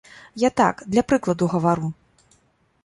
Я так, для прыкладу гавару.